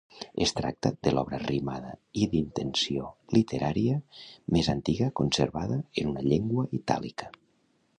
Es tracta de l'obra rimada i d'intenció literària més antiga conservada en una llengua itàlica.